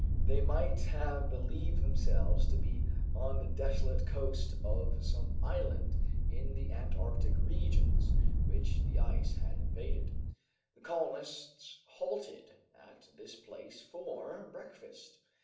They might have believed themselves to be on the desolate coast of some island in the Antarctic regions which the ice had invaded. The colonists halted at this place for breakfast.